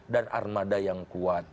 dan armada yang kuat